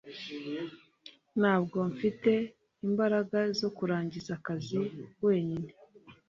ntabwo mfite imbaraga zo kurangiza akazi wenyine.